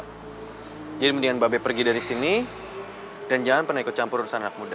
hai jadi mendingan babi pergi dari sini dan jangan pernah ikut campur urusan anak muda